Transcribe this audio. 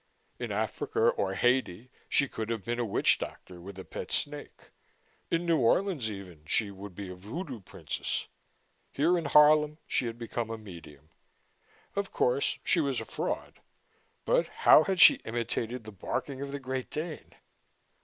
In Africa or Haiti she could have been a witch doctor with a pet snake. In New Orleans, even, she would be a voodoo priestess. Here in Harlem, she had become a medium. Of course, she was a fraud, but how had she imitated the barking of the Great Dane?